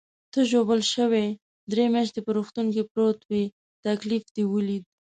ته ژوبل شوې، درې میاشتې په روغتون کې پروت وې، تکلیف دې ولید.